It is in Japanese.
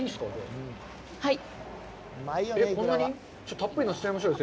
たっぷりのせちゃいましょうよ。